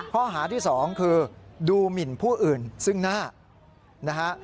ข้อหาที่๒คือดูหมินผู้อื่นซึ่งหน้านะฮะ